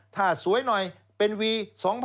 ถ้าสวยหน่อยเป็นวี๒๐๐๐